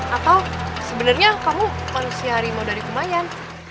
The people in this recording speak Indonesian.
atau sebenernya kamu manusia harimau dari kumayan